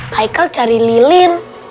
haikal cari lilin